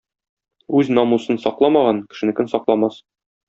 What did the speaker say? Үз намусын сакламаган, кешенекен сакламас.